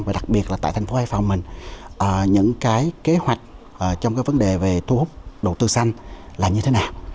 và đặc biệt là tại thành phố iform mình những cái kế hoạch trong cái vấn đề về thu hút đầu tư xanh là như thế nào